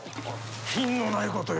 品のないことよ。